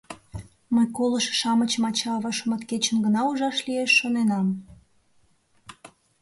— Мый, колышо-шамычым ача-ава шуматкечын гына ужаш лиеш, шоненам.